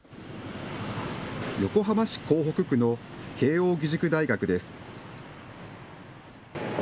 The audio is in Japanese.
横浜市港北区の慶應義塾大学です。